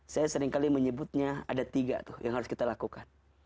saya seringkali menyebutnya ada tiga tuh yang harus kita lakukan